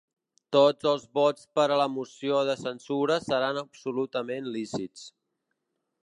Tots els vots per a la moció de censura seran absolutament lícits.